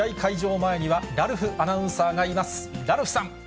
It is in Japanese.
前には、ラルフアナウンサーがいます。